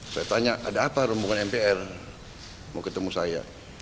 saya tanya ada apa rombongan mpr mau ketemu saya